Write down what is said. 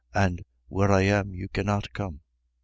And: Where I am, you cannot come?